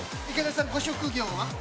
ご職業は？